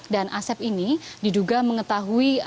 dan asep ini diduga mengetahui